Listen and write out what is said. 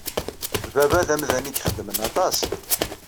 Baba d amdan ay ixeddmen aṭas.